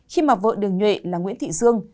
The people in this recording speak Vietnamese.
khi mà vợ đường nhuệ là nguyễn thị dương